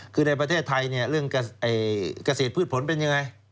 คือในประเทศไทยเนี่ยเรื่องเกษตรพืชผลเป็นยังไง